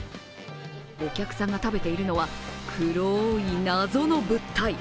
お客さんが食べているのは黒い謎の物体。